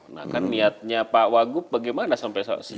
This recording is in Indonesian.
nah kan niatnya pak wagub bagaimana sampai saat ini